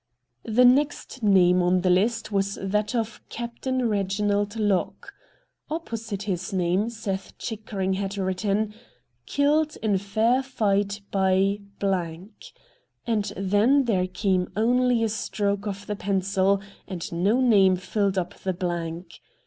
The next name on the list was that of Captain Eeginald Locke. Opposite his name Seth Chickering had written :' Killed in fair fight by ' and then there came only a 172 RED DIAMONDS stroke of the pencil, and no name filled up the blank.